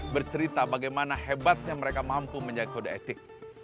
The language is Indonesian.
bercerita bagaimana hebatnya mereka mampu menjaga kode etik